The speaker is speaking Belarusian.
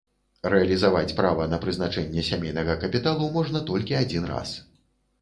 Рэалізаваць права на прызначэнне сямейнага капіталу можна толькі адзін раз.